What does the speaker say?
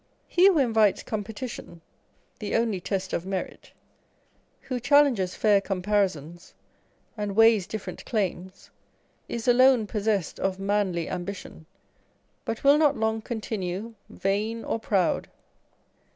He wrho invites competition (the only test of merit), who challenges fair comparisons, and weighs different claims, is alone pos sessed of manly ambition ; but will not long continue vain or proud.